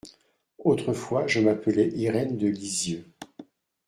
Autrefois, je m’appelais Irène de Lysieux.